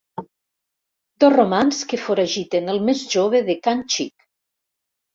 Dos romans que foragiten el més jove de Can Xic.